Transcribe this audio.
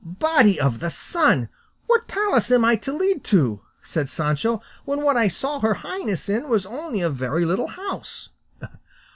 "Body of the sun! what palace am I to lead to," said Sancho, "when what I saw her highness in was only a very little house?"